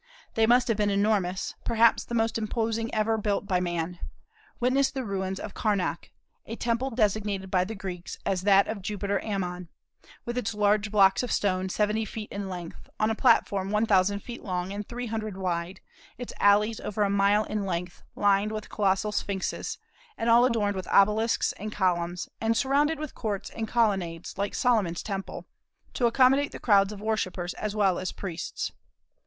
They must have been enormous, perhaps the most imposing ever built by man: witness the ruins of Karnac a temple designated by the Greeks as that of Jupiter Ammon with its large blocks of stone seventy feet in length, on a platform one thousand feet long and three hundred wide, its alleys over a mile in length lined with colossal sphinxes, and all adorned with obelisks and columns, and surrounded with courts and colonnades, like Solomon's temple, to accommodate the crowds of worshippers as well as priests.